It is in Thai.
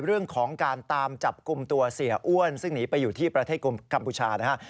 เรื่องของการตามจับกลุ่มตัวเสียอ้วนซึ่งหนีไปอยู่ที่ประเทศกัมพูชานะฮะ